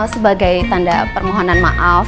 sebagai tanda permohonan maaf